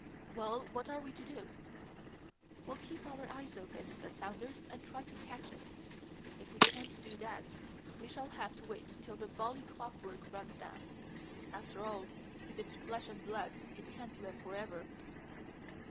"Well, what are we to do?" "We'll keep our eyes open," said Saunders, "and try to catch it. If we can't do that, we shall have to wait till the bally clockwork runs down. After all, if it's flesh and blood, it can't live for ever."